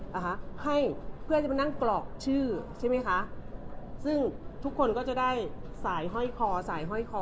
นะคะให้เพื่อจะมานั่งกรอกชื่อใช่ไหมคะซึ่งทุกคนก็จะได้สายห้อยคอสายห้อยคอ